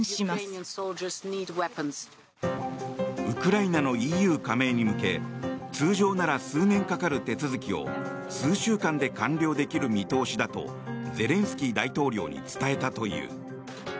ウクライナのＥＵ加盟に向け通常なら数年かかる手続きを数週間で完了できる見通しだとゼレンスキー大統領に伝えたという。